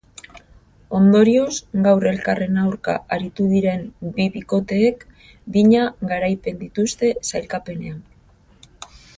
Ondorioz, gaur elkarren aurka aritu diren bi bikoteek bina garaipen dituzte sailkapenean.